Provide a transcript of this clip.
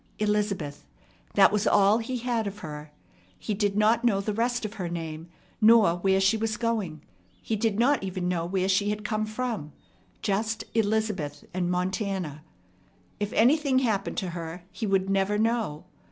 Elizabeth that was all he had of her. He did not know the rest of her name, nor where she was going. He did not even know where she had come from, just "Elizabeth" and "Montana." If anything happened lo her, he would never know.